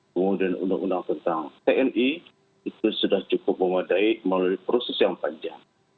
kemudian undang undang tentang tni itu sudah cukup memadai melalui proses yang panjang